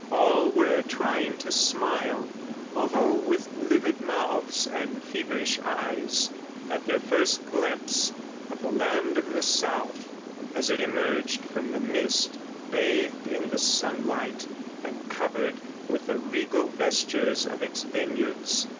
All were trying to smile, although with livid mouths and feverish eyes, at their first glimpse of the land of the South as it emerged from the mist bathed in the sunlight, and covered with the regal vestures of its vineyards.